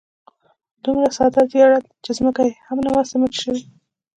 دومره ساده زیارت چې ځمکه یې هم نه وه سیمټ شوې.